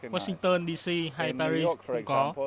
washington dc hay paris cũng có